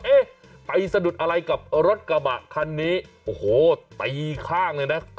เอ๊ะไปสะดุดอะไรกับรถกระบะคันนี้โอ้โหตีข้างเลยนะ